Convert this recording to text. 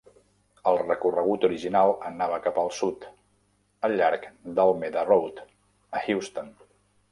El recorregut original anava cap al sud, al llarg d'Almeda Road, a Houston.